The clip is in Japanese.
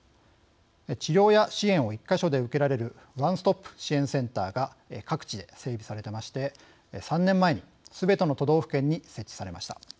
治療や支援を１か所で受けられるワンストップ支援センターが各地で整備されていまして３年前にすべての都道府県に設置されました。